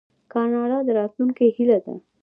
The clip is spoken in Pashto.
کاناډا د راتلونکي هیله ده.